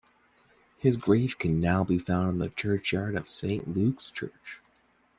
His grave can now be found in the churchyard of Saint Luke's Church.